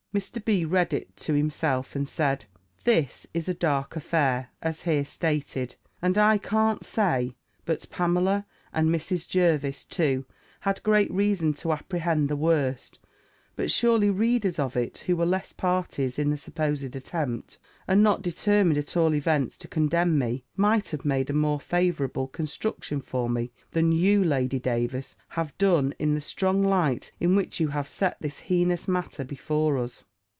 Mr. B. read it to himself, and said, "This is a dark affair, as here stated; and I can't say, but Pamela, and Mrs. Jervis too, had great reason to apprehend the worst: but surely readers of it, who were less parties in the supposed attempt, and not determined at all events to condemn me, might have made a more favourable construction for me, than you, Lady Davers, have done in the strong light in which you have set this heinous matter before us.